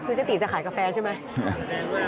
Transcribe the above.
คือสติจะขายกาแฟใช่ไหม